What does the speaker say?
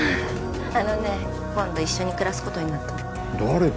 あのね今度一緒に暮らすことになったの誰と？